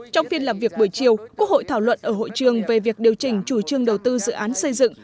trong phiên làm việc buổi chiều quốc hội thảo luận ở hội trường về việc điều chỉnh chủ trương đầu tư dự án xây dựng